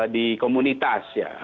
di komunitas ya